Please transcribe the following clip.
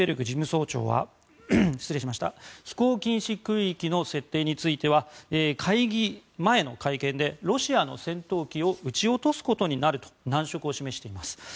事務総長は飛行禁止空域の設定については会議前の会見でロシアの戦闘機を撃ち落とすことになると難色を示しています。